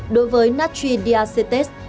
đối với natridiacetes